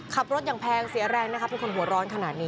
ขับรถอย่างแพงเสียแรงนะครับ